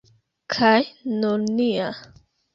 Kaj nur nia!